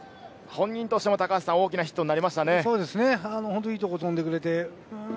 本人としても大きなヒットになりましたね。